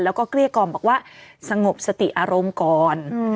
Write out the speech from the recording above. แล้วก็เกลี้ยกล่อมบอกว่าสงบสติอารมณ์ก่อน